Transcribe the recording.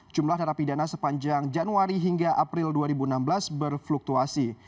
jumlah narapidana sepanjang januari hingga april dua ribu enam belas berfluktuasi